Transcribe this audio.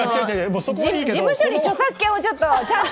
事務所に著作権をちゃんと。